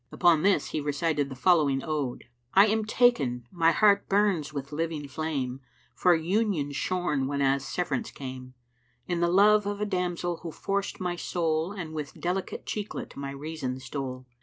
" Upon this he recited the following ode[FN#333], "I am taken: my heart bums with living flame For Union shorn whenas Severance came, In the love of a damsel who forced my soul And with delicate cheeklet my reason stole.